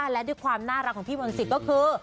และด้วยความน่ารักของพี่มนต์สิทธิ์ก็คือ